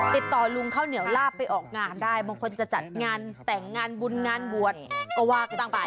ติดต่อลุงข้าวเหนียวลาบไปออกงานได้บางคนจะจัดงานแต่งงานบุญงานบวชก็ว่ากันบ้างไป